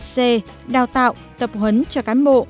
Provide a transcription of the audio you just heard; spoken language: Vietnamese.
c đào tạo tập huấn cho cán bộ